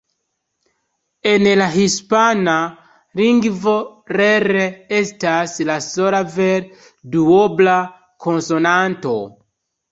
En la hispana lingvo "rr" estas la sola vere duobla konsonanto.